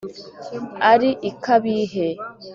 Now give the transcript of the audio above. Ari i Kabihe,